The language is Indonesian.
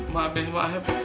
mak beh mak heb